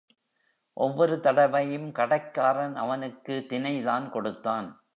ஒவ்வொரு தடவையும் கடைக்காரன் அவனுக்குத் தினைதான் கொடுத்தான்.